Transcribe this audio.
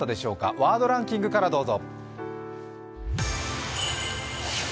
ワードランキングからどうぞ。